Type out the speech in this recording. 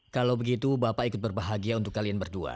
kalau begitu bapak ikut berbahagia untuk kalian berdua